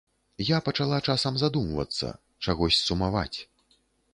Я пачала часам задумвацца, чагось сумаваць.